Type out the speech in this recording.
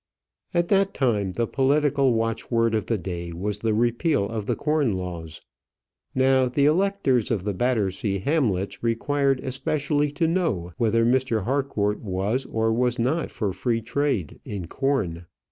At that time the political watchword of the day was the repeal of the corn laws. Now the electors of the Battersea Hamlets required especially to know whether Mr. Harcourt was or was not for free trade in corn.